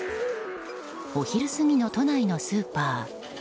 お昼過ぎの都内のスーパー。